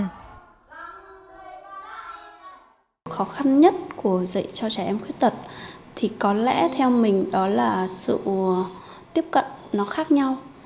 khó khăn nhất của dạy cho trẻ em khuyết tật thì có lẽ theo mình đó là sự tiếp cận nó khác nhau